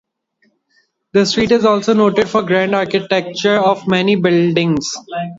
The street is also noted for the grand architecture of many of the buildings.